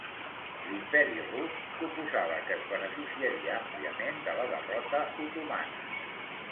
L'Imperi rus suposava que es beneficiaria àmpliament de la derrota otomana.